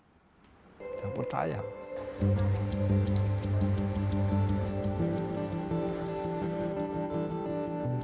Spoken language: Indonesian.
memang ada berbagai bakaran ya ampun saya